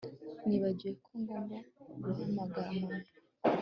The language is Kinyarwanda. Nibagiwe ko ngomba guhamagara mama